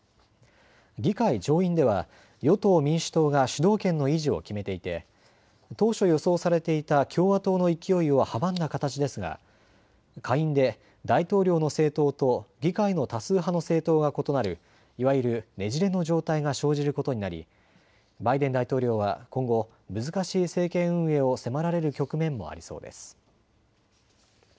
議会上院では与党・民主党が主導権の維持を決めていて当初、予想されていた共和党の勢いを阻んだ形ですが下院で大統領の政党と議会の多数派の政党が異なるいわゆるねじれの状態が生じることになりバイデン大統領は今後、難しい政権運営を迫られる局面もありそうです。